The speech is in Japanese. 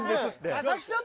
佐々木さん